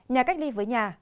nhà cách ly với nhà